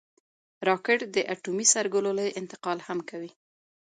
راکټ د اټومي سرګلولې انتقال هم کوي